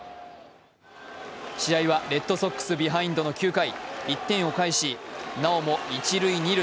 試合はレッドソックスビハインドの９回、１点を返し、なおも一・二塁。